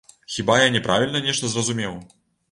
Хіба я не правільна нешта зразумеў?